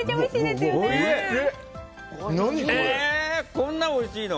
こんなにおいしいの？